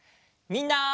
みんな！